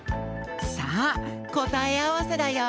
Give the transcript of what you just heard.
さあこたえあわせだよ。